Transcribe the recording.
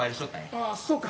ああそうか。